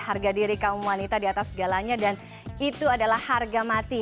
harga diri kaum wanita di atas segalanya dan itu adalah harga mati